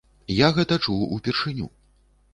Я гэта чуў упершыню.